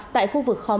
tại khu vực khóm hai